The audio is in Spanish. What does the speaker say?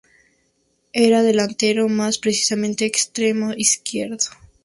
Era delantero, más precisamente, extremo izquierdo.